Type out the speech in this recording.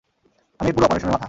আমি এই পুরো অপারেশনের মাথা।